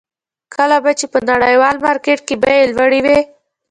کله به چې په نړیوال مارکېټ کې بیې لوړې وې.